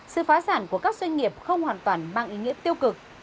sự phá sản của các doanh nghiệp không hoàn toàn mang ý nghĩa tiêu cực